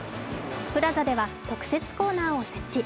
ＰＬＡＺＡでは特設コーナーを設置。